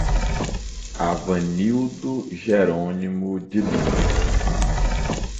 Avanildo Jeronimo de Lima